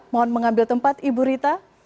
mohon mengambil tempat ibu rita